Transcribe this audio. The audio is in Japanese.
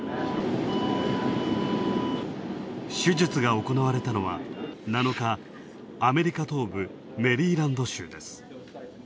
手術が行われたのは、７日、アメリカ東部メリーランド州です。